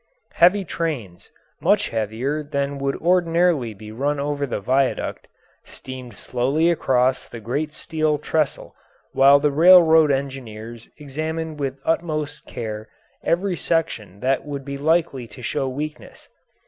Heavy trains much heavier than would ordinarily be run over the viaduct steamed slowly across the great steel trestle while the railroad engineers examined with utmost care every section that would be likely to show weakness.